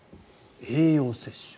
栄養を摂取。